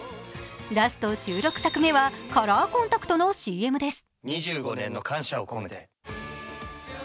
ラスト１６作目はカラーコンタクトのＣＭです。